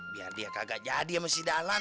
biar dia kagak jadi sama si dahlan